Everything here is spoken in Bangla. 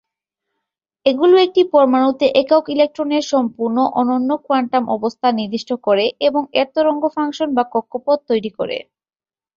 এগুলি একটি পরমাণুতে একক ইলেকট্রনের সম্পূর্ণ, অনন্য কোয়ান্টাম অবস্থা নির্দিষ্ট করে, এবং এর তরঙ্গ ফাংশন বা "কক্ষপথ" তৈরি করে।